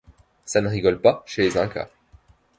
Ça ne rigole pas chez les Incas.